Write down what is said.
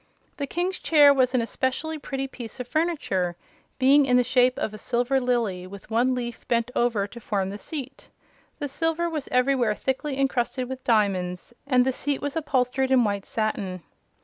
The King's chair was an especially pretty piece of furniture, being in the shape of a silver lily with one leaf bent over to form the seat. The silver was everywhere thickly encrusted with diamonds and the seat was upholstered in white satin.